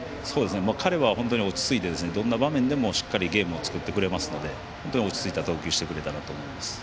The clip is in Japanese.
彼は落ち着いてどんな場面でもしっかりゲームを作ってくれますので本当に落ち着いた投球をしてくれたと思います。